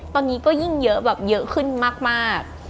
ตอนนี้ก็ยิ่งเยอะแบบเยอะขึ้นมาก